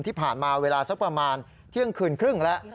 ที่ผ่านมาเวลาสักประมาณเที่ยงคืนครึ่งแล้ว